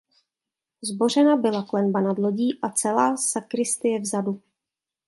Zbořena byla klenba nad lodí a celá sakristie vzadu.